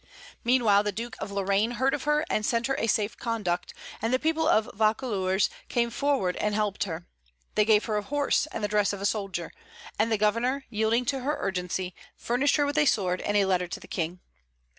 Meanwhile, the Duke of Lorraine heard of her, and sent her a safe conduct, and the people of Vaucouleurs came forward and helped her. They gave her a horse and the dress of a soldier; and the governor, yielding to her urgency, furnished her with a sword and a letter to the King.